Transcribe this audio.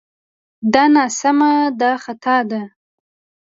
دا ناسمه دا خطا ده